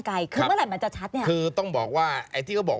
ไกลคือเมื่อไหร่มันจะชัดเนี่ยคือต้องบอกว่าไอ้ที่เขาบอก